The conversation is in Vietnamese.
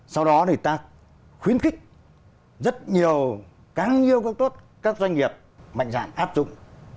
sau đó thì ta khuyến khích rất nhiều càng nhiều các doanh nghiệp mạnh dạng áp dụng